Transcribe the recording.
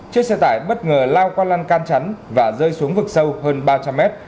chiếc xe tải bất ngờ lao qua lăn can chắn và rơi xuống vực sâu hơn ba trăm linh mét